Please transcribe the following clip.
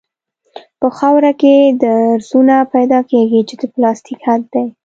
په خاوره کې درزونه پیدا کیږي چې د پلاستیک حد دی